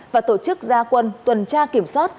và tổ chức gia quân tuần tra kiểm soát